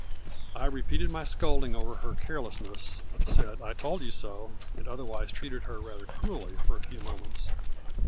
I repeated my scolding over her carelessness, said ' I told you so,' and otherwise treated her rather cruelly for a few moments.